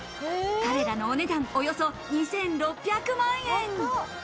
カレラのお値段、およそ２６００万円。